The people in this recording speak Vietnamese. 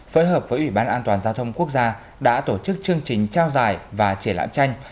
phối hợp với ủy ban an toàn giao thông quốc gia đã tổ chức chương trình trao giải và triển lãm tranh